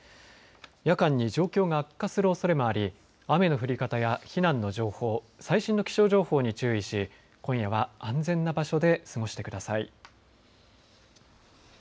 夜間に状況が悪化するおそれもあり、雨の降り方や避難の情報、最新の気象情報に注意し、今夜は安全な場所で過ごしてください。